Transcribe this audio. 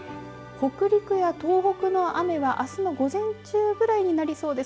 北陸や東北の雨はあすの午前中ぐらいになりそうです。